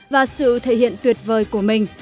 và sự thể hiện tuyệt vời của mình